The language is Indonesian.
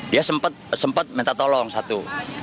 dia sempat minta tolong satu